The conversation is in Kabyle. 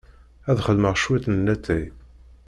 Ad d-xedmeɣ cwiṭ n latay.